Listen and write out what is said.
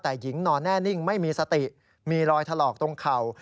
แต่หญิงนอนแน่นิ่งไม่มีสติมีรอยถลอกตรงเข่า